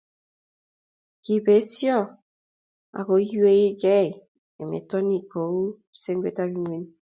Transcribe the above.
kibesyo akuywei gei emotinwek kou kipsengwet ak ng'weny.